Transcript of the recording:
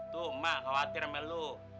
tuh emak khawatir sama lu